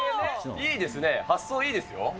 いいですね、発想いいですよ。